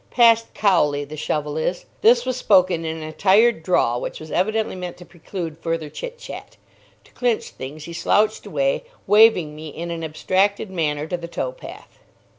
"Past Cowley, the Shovel is." This was spoken in a tired drawl which was evidently meant to preclude further chit chat. To clinch things, he slouched away, waving me in an abstracted manner to the towpath.